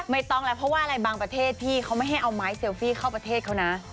ไม่ต้องแล้วเพราะว่าอะไรบางประเทศพี่เขาไม่ให้เอาไม้เซลฟี่เข้าประเทศเขานะ